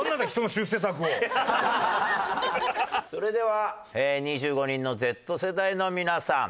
それでは２５人のＺ世代の皆さん